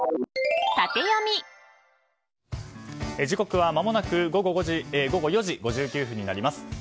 時刻はまもなく午後４時５９分になります。